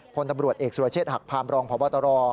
พลตำรวจเอกสุรเชษฐหักพามรองพบตร